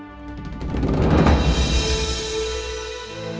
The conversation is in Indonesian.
amin ya allah